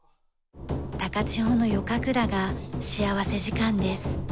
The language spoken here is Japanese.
高千穂の夜神楽が幸福時間です。